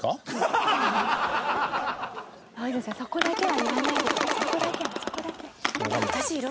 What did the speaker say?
そこだけは。